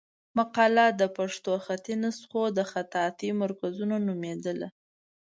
مقاله د پښتو خطي نسخو د خطاطۍ مرکزونه نومېدله.